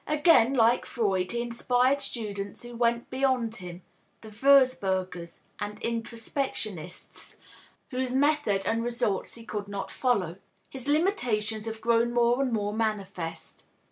Again, like Freud, he inspired students who went beyond him (the Wurzburgers and introspectionists) whose method and results he could not follow. His limitations have grown more and more manifest.